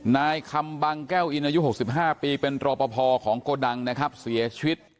นายคำบังแก้วอินอายุ๖๕ปีเป็นรอปภของโกดังนะครับเสียชีวิต